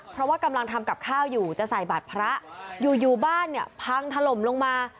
เพราะว่ากำลังทำกับข้าวอยู่จะใส่บัตรพระอยู่อยู่บ้านเนี่ยพังถล่มลงมา